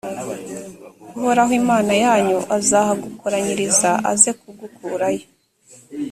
uhoraho imana yanyu azahagukoranyiriza, aze kugukurayo.